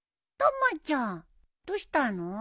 たまちゃんどうしたの？